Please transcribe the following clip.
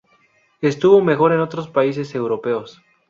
Estuvo mejor en otros países europeos.